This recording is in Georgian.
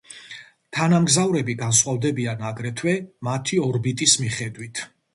თანამგზავრები განსხვავდებიან აგრეთვე მათი ორბიტის მიხედვით.